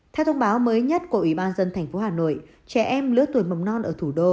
theo thông báo mới nhất của ủy ban dân thành phố hà nội trẻ em lứa tuổi mầm non ở thủ đô